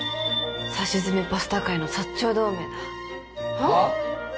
さしずめパスタ界の薩長同盟だはっ？